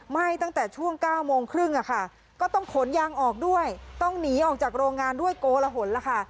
ไหม้ตั้งแต่ช่วง๙โมงครึ่งอะค่ะก็ต้องขนยางออกด้วยต้องหนีออกจากโรงงานด้วยโกละหลล่ะค่ะ